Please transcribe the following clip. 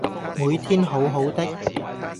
每天好好的